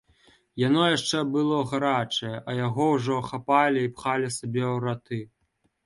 Яно яшчэ было гарачае, а яго ўжо хапалі і пхалі сабе ў раты.